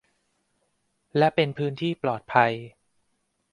และเป็นพื้นที่ปลอดภัย